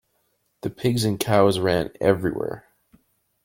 The pigs and cows ran everywhere.